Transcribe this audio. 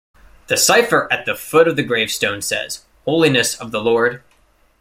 The cipher at the foot of the gravestone says "Holiness of the Lord".